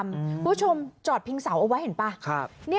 คุณผู้ชมจอดพิงเสาเอาไว้เห็นป่ะ